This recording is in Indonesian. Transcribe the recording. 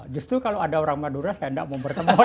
justru kalau ada orang madura saya tidak mau bertemu